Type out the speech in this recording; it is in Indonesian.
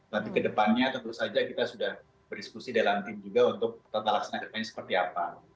tapi kedepannya tentu saja kita sudah berdiskusi dalam tim juga untuk tata laksana kedepannya seperti apa